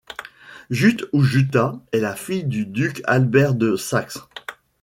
Jutte ou Jutta est la fille du duc Albert de Saxe.